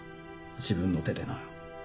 自分の手でな。